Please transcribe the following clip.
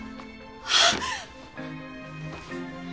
あっ！